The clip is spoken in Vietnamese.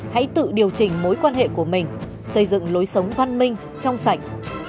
hãy tự điều chỉnh mối quan hệ của mình xây dựng lối sống văn minh trong sạch